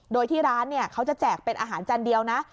โดยที่ร้านเขาจะแจกเป็นอาหารจานเดียวนะ